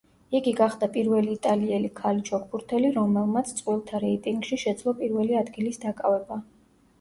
იგი გახდა პირველი იტალიელი ქალი ჩოგბურთელი, რომელმაც წყვილთა რეიტინგში შეძლო პირველი ადგილის დაკავება.